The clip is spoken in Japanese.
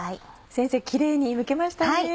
先生キレイにむけましたね。